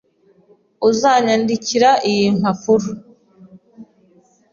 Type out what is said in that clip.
Uzanyandikira iyi mpapuro?